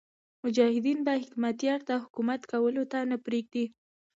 مجاهدین به حکمتیار ته حکومت کولو ته پرې نه ږدي.